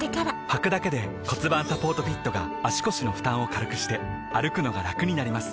はくだけで骨盤サポートフィットが腰の負担を軽くして歩くのがラクになります